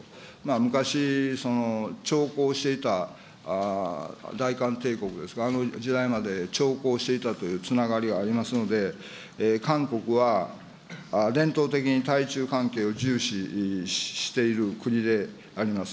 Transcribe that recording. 昔、朝貢していた大韓帝国ですか、あの時代まで朝貢していたというつながりがありますので、韓国は伝統的に対中関係を重視している国であります。